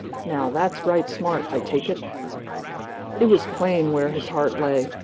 Now, that's right smart, I take it!" It was plain where his heart lay.